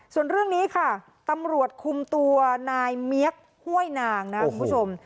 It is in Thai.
ส่วนเรื่องนี้ค่ะตำรวจคุมตัวนายเมียกห้วยนางนะคุณผู้ชม